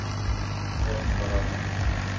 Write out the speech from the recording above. ওহ, গরম।